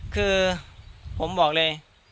คือผมบอกเลย